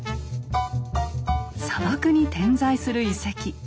砂漠に点在する遺跡。